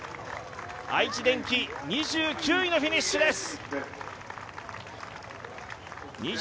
愛知電機、２９位のフィニッシュです